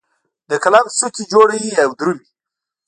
د قلم څوکې جوړوي او درومې